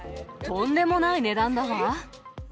とんでもない値段だわ。